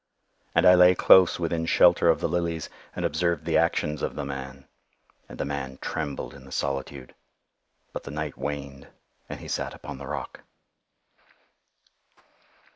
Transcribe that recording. And I lay close within shelter of the lilies, and observed the actions of the man. And the man trembled in the solitude;—but the night waned, and he sat upon the rock.